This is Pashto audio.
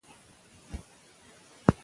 په نړۍ كې مسلمانان لومړى قوم دى